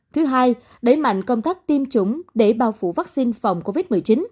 thứ hai đẩy mạnh công tác tiêm chủng để bao phủ vaccine phòng covid một mươi chín